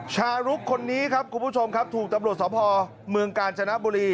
ชารุกคนนี้ครับคุณผู้ชมครับถูกตำรวจสภเมืองกาญจนบุรี